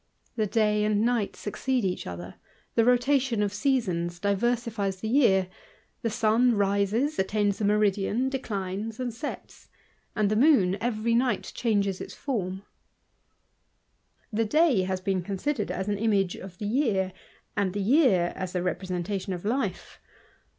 The day and night succeed each other, the rotation of seasons diversifies the jrear ; the sun rises, attains the meridian, decUnes, and sets ; and the moon every night changes its form. The day has been considered as an image of the year, and the year as the representation of life.